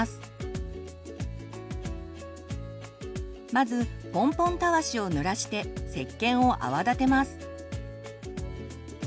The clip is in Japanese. まずポンポンたわしをぬらしてせっけんを泡立てます。